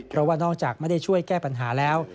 เพราะว่านอกจากไม่ได้ช่วยแก้ปัญหาแล้ว